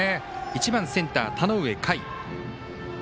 １番センター、田上夏衣。